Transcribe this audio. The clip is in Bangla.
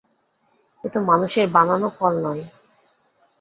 এ তো মানুষের বানানো কল নয়।